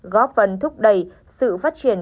góp phần thúc đẩy sự phát triển